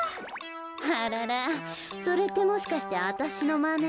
あららそれってもしかしてわたしのまね？